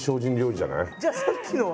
じゃあさっきのは？